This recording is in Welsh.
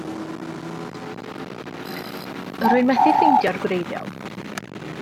Rwy'n methu ffeindio'r gwreiddiol.